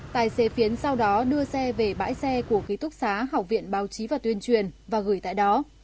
tài xế phiến sau đó đưa xe về bãi xe của ký túc xá học viện báo chí và tuyên truyền và gửi tại đó